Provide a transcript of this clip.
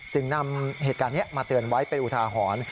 นำเหตุการณ์นี้มาเตือนไว้เป็นอุทาหรณ์